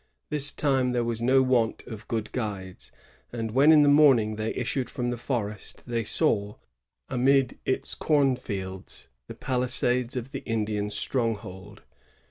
This time there was no want of good guides; and when in the morning they issued from the forest, they saw, amid its cornfields, the palisades of the Indian stronghold.